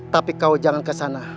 tapi kau jangan kesana